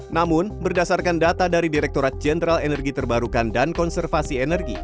namun berdasarkan data dari direkturat jenderal energi terbarukan dan konservasi energi